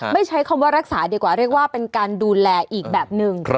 ใช้คำว่ารักษาดีกว่าเรียกว่าเป็นการดูแลอีกแบบหนึ่ง